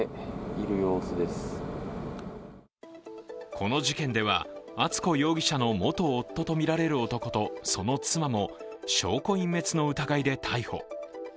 この事件では敦子容疑者の元夫とみられる男と、その妻も、証拠隠滅の疑いで逮捕。